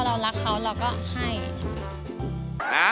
เรารักเขาเราก็ให้